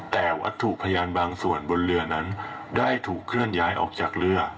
แต่วัตถุพยานบางส่วนบนเรือนั้นได้ถูกเคลื่อนย้ายออกจากเรือ